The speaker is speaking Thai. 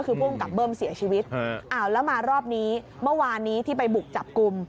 คือผู้กำกับเบิ้มเสียชีวิตอ้าวแล้วมารอบนี้เมื่อวานนี้ที่ไปบุกจับกลุ่ม